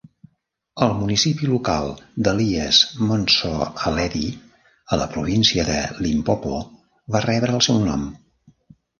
El municipi local d'Elias Motsoaledi a la província de Limpopo va rebre el seu nom.